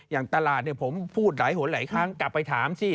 อย่างตลาดเนี่ยผมพูดหลายหนหลายครั้งกลับไปถามสิ